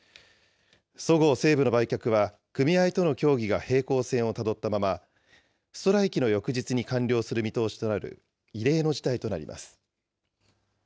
そごう・西武の売却は、組合との協議が平行線をたどったまま、ストライキの翌日に完了する見通しとなる異例の事態となります。